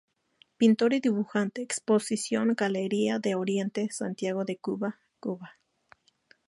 Pintor y dibujante"", Exposición Galería de Oriente, Santiago de Cuba, Cuba.